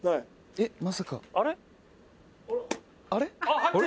えっまさか。